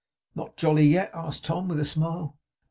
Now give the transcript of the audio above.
'Not jolly yet?' asked Tom, with a smile.